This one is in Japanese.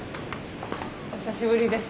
お久しぶりです。